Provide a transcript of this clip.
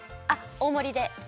あっ大もりで。